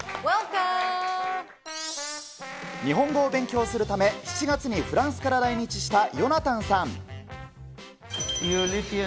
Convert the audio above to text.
日本語を勉強するため、７月にフランスから来日したヨナタンさん。